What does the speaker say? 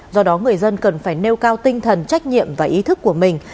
do đó người dân cần phải nêu cao tinh thần trách nhiệm và ý thức của mình